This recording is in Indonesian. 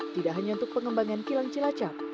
tidak hanya untuk pengembangan kilang cilacap